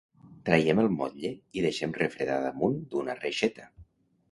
Traiem el motlle i deixem refredar damunt d'una reixeta.